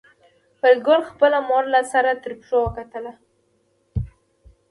فریدګل خپله مور له سر تر پښو وکتله